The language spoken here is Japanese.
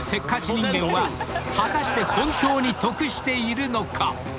人間は果たして本当に得しているのか？］